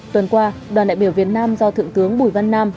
tuần qua đoàn đại biểu việt nam do thượng tướng bùi văn nam